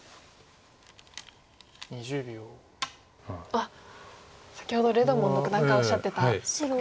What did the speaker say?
あっ先ほどレドモンド九段がおっしゃってたところですね。